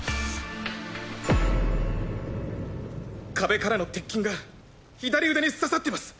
壁からの鉄筋が左腕に刺さってます。